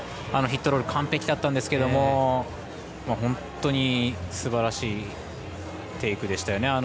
あのヒットロール完璧だったんですけれども本当にすばらしいテイクでしたね。